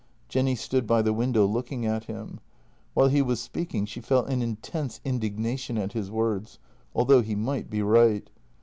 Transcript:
" Jenny stood by the window looking at him. While he was speaking she felt an intense indignation at his words — al though he might be right.